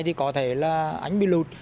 thì có thể là anh bị lụt